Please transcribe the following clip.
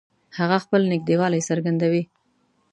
هغه خپل نږدېوالی څرګندوي